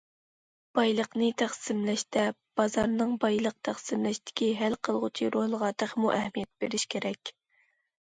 بايلىقنى تەقسىملەشتە، بازارنىڭ بايلىق تەقسىملەشتىكى ھەل قىلغۇچ رولىغا تېخىمۇ ئەھمىيەت بېرىش كېرەك.